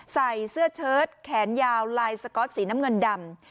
ใส่เสื้อเชิดแขนยาวลายสก๊อตสีน้ำเงินดำ